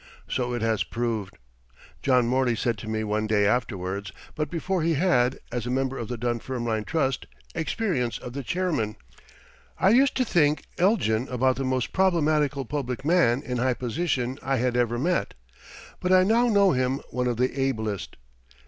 So it has proved. John Morley said to me one day afterwards, but before he had, as a member of the Dunfermline Trust, experience of the chairman: "I used to think Elgin about the most problematical public man in high position I had ever met, but I now know him one of the ablest.